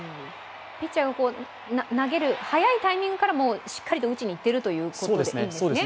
ピッチャーが投げるはやいタイミングからしっかり打ちにいっているということでいいんですね。